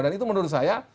dan itu menurut saya